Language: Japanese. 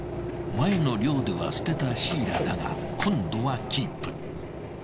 前の漁では捨てたシイラだが今度はキープ。